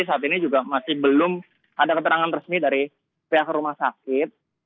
saat ini juga masih belum ada keterangan resmi dari pihak rumah sakit